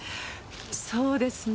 そうですね。